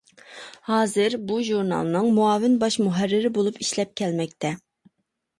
ھازىر بۇ ژۇرنالنىڭ مۇئاۋىن باش مۇھەررىرى بولۇپ ئىشلەپ كەلمەكتە.